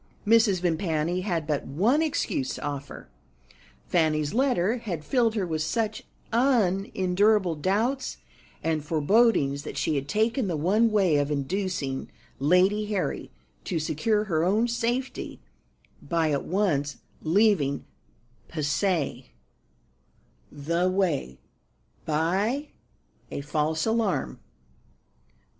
Mrs. Vimpany had but one excuse to offer. Fanny's letter had filled her with such unendurable doubts and forebodings that she had taken the one way of inducing Lady Harry to secure her own safety by at once leaving Passy the way by a false alarm.